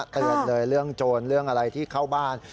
เตือนเลยเรื่องโจรเรื่องอะไรที่เข้าบ้าน